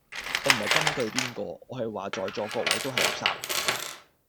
我唔係針對邊個，我係話在座各位都係垃圾